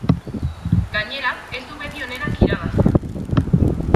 Gainera, ez du beti onenak irabazten.